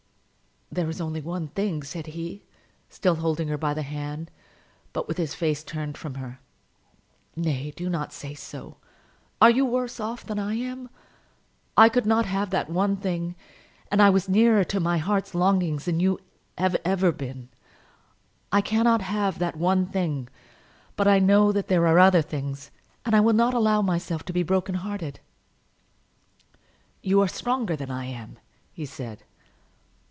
"There is only one thing," said he, still holding her by the hand, but with his face turned from her. "Nay; do not say so. Are you worse off than I am? I could not have that one thing, and I was nearer to my heart's longings than you have ever been. I cannot have that one thing; but I know that there are other things, and I will not allow myself to be broken hearted." "You are stronger than I am," he said.